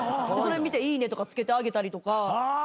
それ見て「いいね」とかつけてあげたりとか。